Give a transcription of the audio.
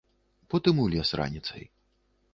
Потым у лес раніцай.